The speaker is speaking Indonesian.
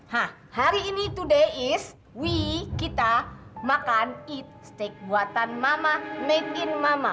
hah hari ini today is we kita makan eat steak buatan mama made in mama